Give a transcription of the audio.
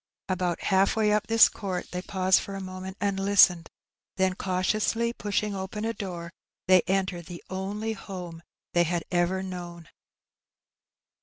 About half way up this court they paused for a moment and hstened ; then, cautiously poshing open a door, they entered the only home they had ever known.